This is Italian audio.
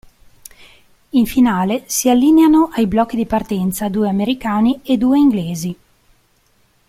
In finale si allineano ai blocchi di partenza due americani e due inglesi.